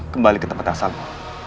kembali ke tempat asalmu